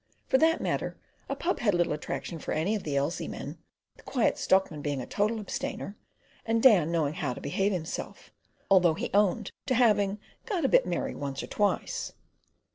For that matter, a pub had little attraction for any of the Elsey men, the Quiet Stockman being a total abstainer, and Dan knowing "how to behave himself," although he owned to having "got a bit merry once or twice."